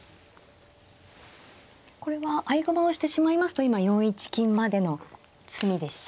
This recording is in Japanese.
これは合駒をしてしまいますと今４一金までの詰みでしたか。